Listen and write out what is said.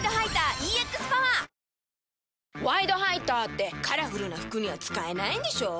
「ワイドハイター」ってカラフルな服には使えないんでしょ？